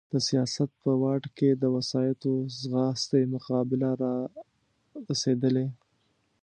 د سیاست په واټ کې د وسایطو ځغاستې مقابله را رسېدلې.